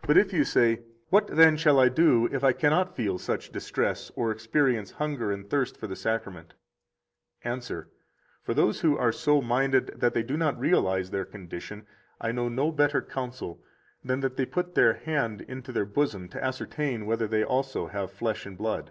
75 But if you say: What, then, shall I do if I cannot feel such distress or experience hunger and thirst for the Sacrament? Answer: For those who are so minded that they do not realize their condition I know no better counsel than that they put their hand into their bosom to ascertain whether they also have flesh and blood.